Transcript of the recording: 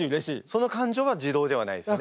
その感情は自動ではないですよね？